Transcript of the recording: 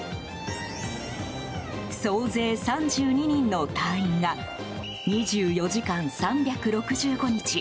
総勢３２人の隊員が２４時間３６５日